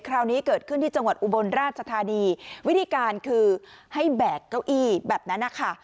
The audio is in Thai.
คราวนี้เกิดขึ้นที่จังหวัดอุบลราชธานีวิธีการคือให้แบกเก้าอี้แบบนั้นนะคะ